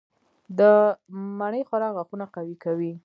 د مڼې خوراک غاښونه قوي کوي.